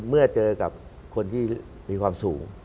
เมื่อเจอกับคนที่มีความสูง